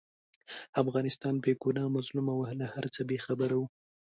افغانستان بې ګناه، مظلوم او له هرڅه بې خبره وو.